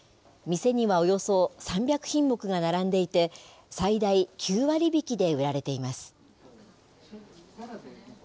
店にはおよそ３００品目が並んでいて、最大９割引きで売られています。